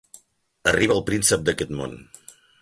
Arriba el príncep d'aquest món.